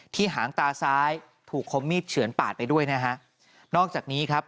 หางตาซ้ายถูกคมมีดเฉือนปาดไปด้วยนะฮะนอกจากนี้ครับ